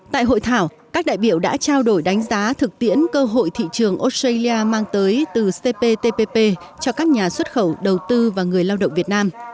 tại hội thảo các đại biểu đã trao đổi đánh giá thực tiễn cơ hội thị trường australia mang tới từ cptpp cho các nhà xuất khẩu đầu tư và người lao động việt nam